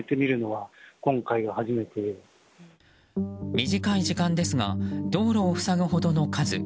短い時間ですが道路を塞ぐほどの数。